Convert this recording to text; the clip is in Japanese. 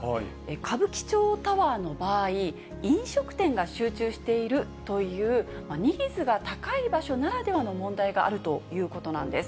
歌舞伎町タワーの場合、飲食店が集中しているというニーズが高い場所ならではの問題があるということなんです。